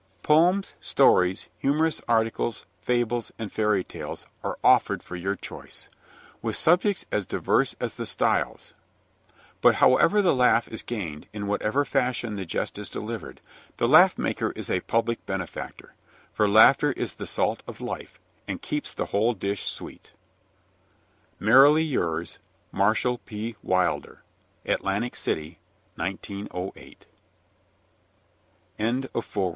Poems, stories, humorous articles, fables, and fairy tales are offered for your choice, with subjects as diverse as the styles; but however the laugh is gained, in whatever fashion the jest is delivered, the laugh maker is a public benefactor, for laughter is the salt of life, and keeps the whole dish sweet. Merrily yours, MARSHALL P. WILDER. ATLANTIC CITY, 1908. ACKNOWLEDGMENT Acknowledgment is due